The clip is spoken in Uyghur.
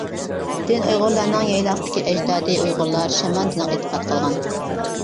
دىن ئۇيغۇرلارنىڭ يايلاقتىكى ئەجدادى ئۇيغۇرلار شامان دىنىغا ئېتىقاد قىلغان.